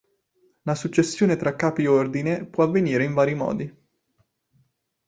La successione tra Capi-Ordine può avvenire in vari modi.